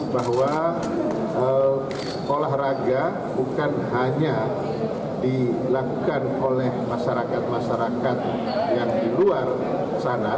bahwa olahraga bukan hanya dilakukan oleh masyarakat masyarakat yang di luar sana